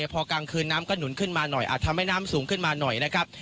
พอกลางคืนน้ำก็หนุนขึ้นมาหน่อยอาจทำให้น้ำสูงขึ้นมาหน่อยนะครับ